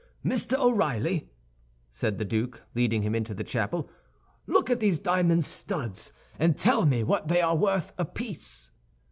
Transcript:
"Mr. O'Reilly," said the duke, leading him into the chapel, "look at these diamond studs, and tell me what they are worth apiece."